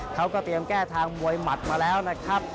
เขาก็เตรียมแก้ทางมวยหมัดมาแล้วนะครับ